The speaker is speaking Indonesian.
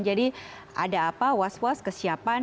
jadi ada apa was was kesiapan